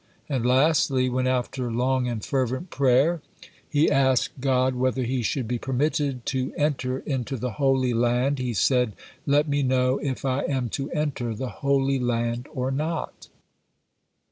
And lastly when, after long and fervent prayer, he asked God whether he should be permitted to enter into the Holy Land, he said, "Let me know if I am to enter the Holy Land or not."